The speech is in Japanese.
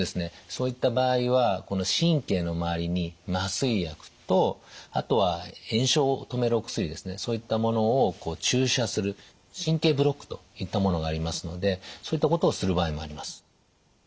そういった場合はこの神経の周りに麻酔薬とあとは炎症を止めるお薬ですねそういったものを注射する神経ブロックといったものがありますのでそういったことをする場合もあります。